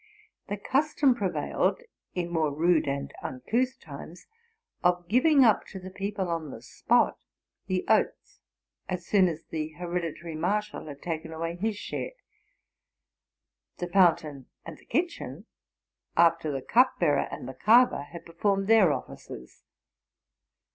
The custom prevailed, in more rude and uncoutli times, of giving up to the people on the spot the oats, as soon as the hereditary marshal had taken away his share ; the fountain and the kitchen, after the cup bearer and the carver had performed their offices.